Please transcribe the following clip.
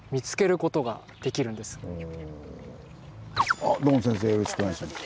あっどうも先生よろしくお願いします。